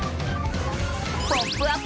「ポップＵＰ！」